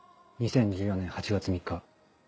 ２０１４年８月３日。